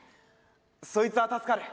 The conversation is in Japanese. そいつは助かる。